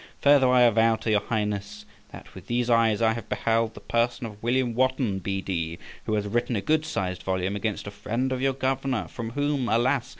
Further, I avow to your Highness that with these eyes I have beheld the person of William Wotton, B.D., who has written a good sized volume against a friend of your governor, from whom, alas!